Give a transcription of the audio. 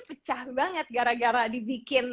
pecah banget gara gara dibikin